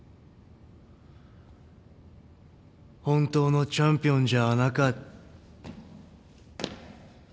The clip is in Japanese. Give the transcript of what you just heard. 本当のチャンピオンじゃなか。